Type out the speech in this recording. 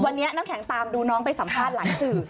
วันนี้น้ำแข็งตามดูน้องไปสัมภาษณ์หลายสื่อ